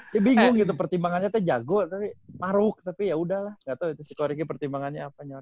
dia bingung gitu pertimbangannya tapi jago tapi maruk tapi yaudah lah gak tau itu si kory ke pertimbangannya apa nyata